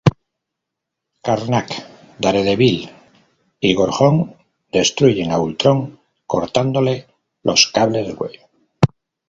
Karnak, Daredevil y Gorgon destruyen a Ultron cortándole los cables del cuello.